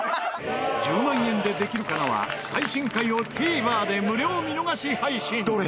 『１０万円でできるかな』は最新回をＴＶｅｒで無料見逃し配信。